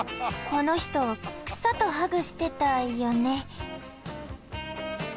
このひと草とハグしてたよね。